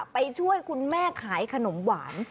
ไปช่วยคุณแม่ขายขนมหวาน